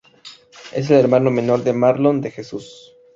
Es el hermano menor de Marlon de Jesús.